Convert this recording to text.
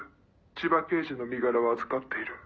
千葉刑事の身柄は預かっている。